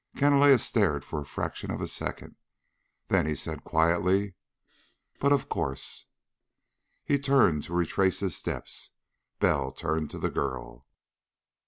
Canalejas stared for the fraction of a second. Then he said quietly: "But of course." He turned to retrace his steps. Bell turned to the girl.